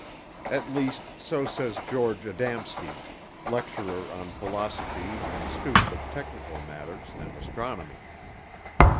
At least, so says George Adamski, lecturer on philosophy and student of technical matters and astronomy.